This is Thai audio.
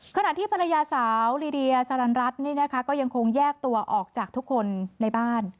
ขณะที่ภรรยาสาวลีเดียสรรรณรัชน์ยังคงแยกตัวออกจากทุกคนในบ้าน